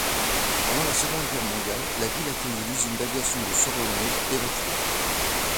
Pendant la Seconde Guerre mondiale, la ville accueillit l'usine d'aviation de Voronej évacuée.